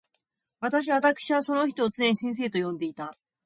私わたくしはその人を常に先生と呼んでいた。